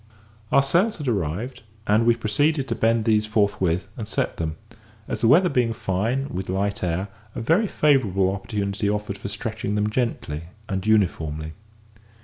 Our sails had arrived, and we proceeded to bend these forthwith, and set them; as the weather being fine, with light air, a very favourable opportunity offered for stretching them gently and uniformly.